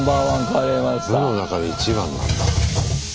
部の中で一番なんだ。